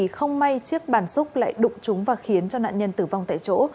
không may chiếc bàn xúc lại đụng chúng và khiến cho nạn nhân tử vong tại chỗ